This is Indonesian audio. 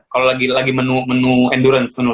kalau lagi menu endurance